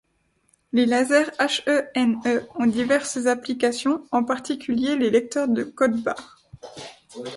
Les lasers He-Ne ont diverses applications, en particulier les lecteurs de code-barres.